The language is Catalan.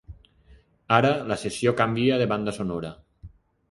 Ara la sessió canvia de banda sonora.